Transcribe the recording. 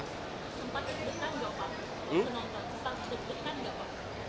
sempat itu dekat nggak pak